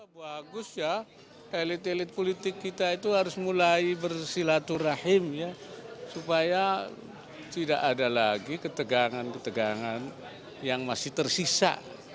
bagus ya elit elit politik kita itu harus mulai bersilaturahim supaya tidak ada lagi ketegangan ketegangan yang masih tersisa